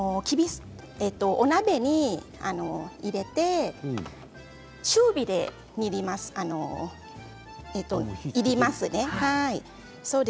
お鍋に入れて中火でいります。